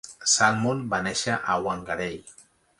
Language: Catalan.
Salmon va néixer a Whangarei.